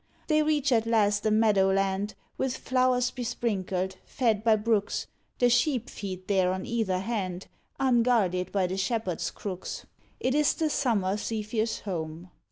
They reach at last a meadow land, With flowers besprinkled, fed by brooks; The sheep feed there on either hand, Unguarded by the shepherd's crooks: It is the summer zephyr's home.